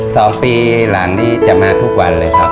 สองปีหลังนี้จะมาทุกวันเลยครับ